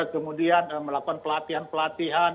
kemudian melakukan pelatihan pelatihan